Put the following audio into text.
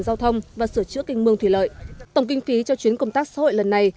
giao thông và sửa chữa kinh mương thủy lợi tổng kinh phí cho chuyến công tác xã hội lần này